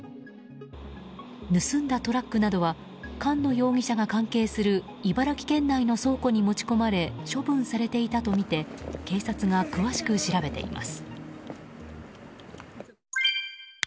盗んだトラックなどは菅野容疑者が関係する茨城県内の倉庫に持ち込まれ処分されていたとみて警察が詳しく調べています。